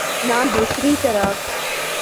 نہ دوسری طرف۔